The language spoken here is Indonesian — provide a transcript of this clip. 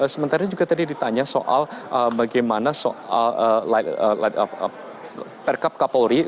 sementara juga tadi ditanya soal bagaimana soal perkap kapolri